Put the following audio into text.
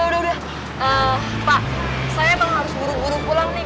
pak saya emang harus buru buru pulang nih